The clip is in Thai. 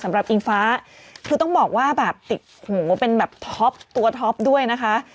อิงฟ้าคือต้องบอกว่าแบบติดหูเป็นแบบท็อปตัวท็อปด้วยนะคะ